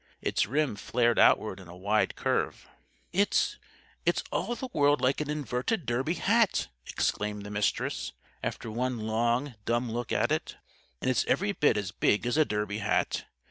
Its rim flared outward in a wide curve. "It's it's all the world like an inverted derby hat!" exclaimed the Mistress, after one long dumb look at it. "And it's every bit as big as a derby hat.